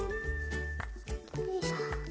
よいしょ。